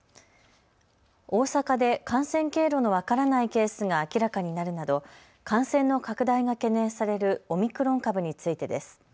大阪で感染経路の分からないケースが明らかになるなど感染の拡大が懸念されるオミクロン株についてです。